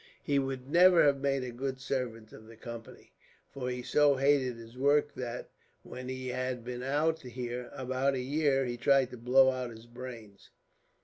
"He would never have made a good servant of the Company, for he so hated his work that, when he had been out here about a year, he tried to blow out his brains.